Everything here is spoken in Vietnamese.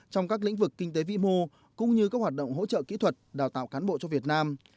trong các lĩnh vực kinh tế vĩ mô cũng như các hoạt động hỗ trợ kỹ thuật đào tạo cán bộ cho việt nam